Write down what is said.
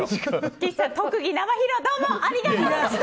岸さん、特技生披露どうもありがとうございました！